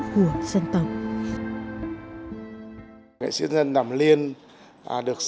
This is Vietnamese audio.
của dân tộc